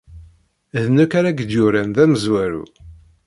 D nekk ay ak-d-yuran d amezwaru.